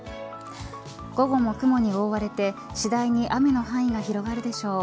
午後も雲に覆われて次第に雨の範囲が広がるでしょう。